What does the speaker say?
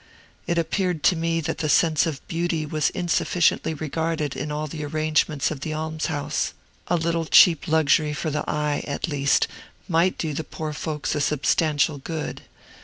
It appeared to me that the sense of beauty was insufficiently regarded in all the arrangements of the almshouse; a little cheap luxury for the eye, at least, might do the poor folks a substantial good.